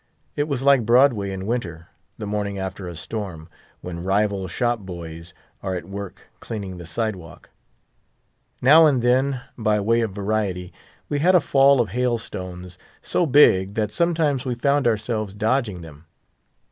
It was like Broadway in winter, the morning after a storm, when rival shop boys are at work cleaning the sidewalk. Now and then, by way of variety, we had a fall of hailstones, so big that sometimes we found ourselves dodging them.